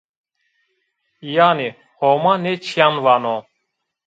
Yanî Homa nê çîyan vano.